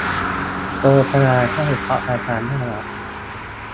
โฆษณาให้เพราะอาจารย์น่ารัก